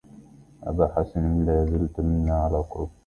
أبا حسن لا زلت منا على قرب